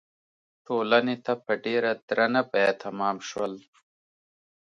ټولنې ته په ډېره درنه بیه تمام شول.